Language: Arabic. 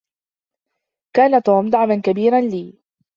كان توم دعما كبيرا لي.